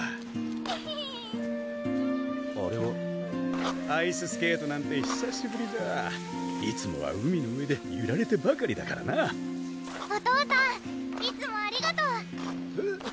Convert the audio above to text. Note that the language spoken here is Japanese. エヘヘあれはアイススケートなんてひさしぶりだいつもは海の上でゆられてばかりだからなお父さんいつもありがとうへっ？